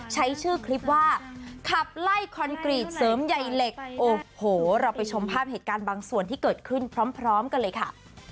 ใช้ชื่อคลิปว่าขับไล่คอนกรีตเสริมใยเหล็กโอ้โหเราไปชมภาพเหตุการณ์บางส่วนที่เกิดขึ้นพร้อมกันเลยค่ะ